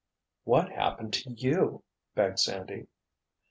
"What happened to you?" begged Sandy.